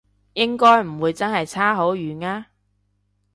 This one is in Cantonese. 應該唔會真係差好遠啊？